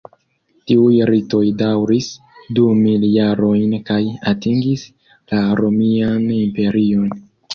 Tiuj ritoj daŭris du mil jarojn kaj atingis la Romian Imperion.